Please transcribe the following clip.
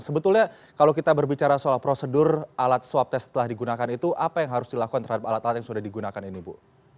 sebetulnya kalau kita berbicara soal prosedur alat swab tes setelah digunakan itu apa yang harus dilakukan terhadap alat alat yang sudah digunakan ini ibu